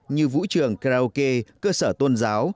như vũ trường karaoke cơ sở tôn giáo